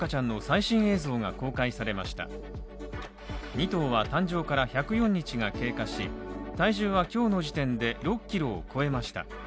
２頭は誕生から１０４日が経過し体重は今日の時点で６ｋｇを超えました。